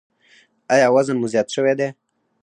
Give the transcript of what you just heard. ایا وزن مو زیات شوی دی؟